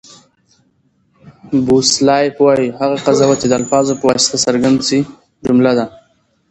بوسلایف وایي، هغه قضاوت، چي د الفاظو په واسطه څرګند سي؛ جمله ده.